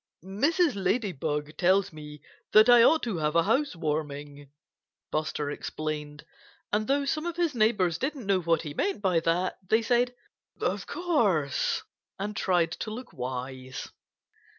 "Mrs. Ladybug tells me that I ought to have a house warming," Buster explained. And though some of his neighbors didn't know what he meant by that, they said "Of course!" and tried to look wise.